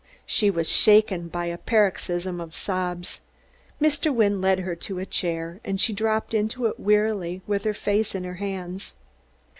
She was shaken by a paroxysm of sobs. Mr. Wynne led her to a chair, and she dropped into it wearily, with her face in her hands.